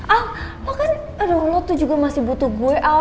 al lo kan aduh lo tuh juga masih butuh gue al